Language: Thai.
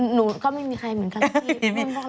หนูก็ไม่มีใครเหมือนกันพี่